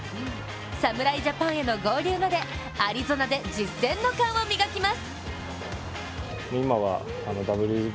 侍ジャパンへの合流までアリゾナで実戦の勘を磨きます。